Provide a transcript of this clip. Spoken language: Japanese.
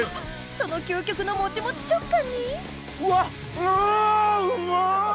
その究極のもちもち食感にうわっううまっ！